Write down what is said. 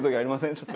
ちょっと。